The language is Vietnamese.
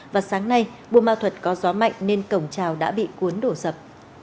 và sáng nay buôn ma thuật có gió mạnh nên cổng trào đã bị cuốn đổ sập